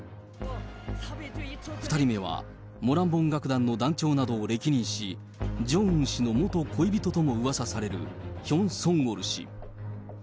２人目はモランボン楽団の団長などを歴任し、ジョンウン氏の元恋人ともうわさされる、ヒョン・ソンウォル氏。